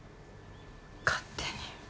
勝手に。